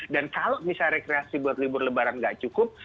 dan kalau bisa rekreasi buat libur lebaran nggak cukup